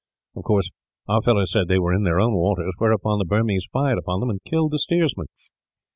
Of course, our fellows said they were in their own waters, whereupon the Burmese fired upon them and killed the steersman.